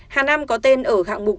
hà nam có tên ở hạng mục